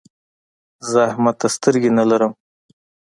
زه احمد ته سترګې نه لرم.